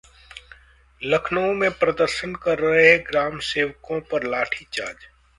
लखनऊ में प्रदर्शन कर रहे ग्रामसेवकों पर लाठीचार्ज